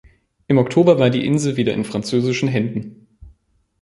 Im Oktober war die Insel wieder in französischen Händen.